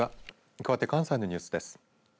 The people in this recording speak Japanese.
かわって関西のニュースです。